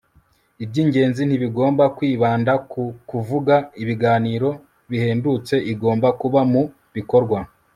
ibyingenzi ntibigomba kwibanda ku kuvuga. ibiganiro bihendutse. igomba kuba mu bikorwa